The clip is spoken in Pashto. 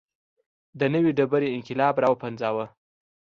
د نوې ډبرې انقلاب راوپنځاوه.